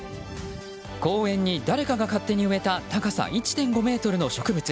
公園に誰かが勝手に植えた高さ１．５ｍの植物。